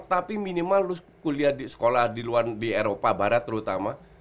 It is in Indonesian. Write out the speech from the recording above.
tapi minimal lu sekolah di luar eropa terutama